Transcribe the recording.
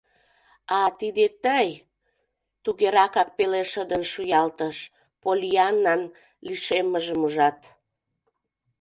— А, тиде тый! — тугеракак пеле шыдын шуялтыш, Поллианнан лишеммыжым ужат.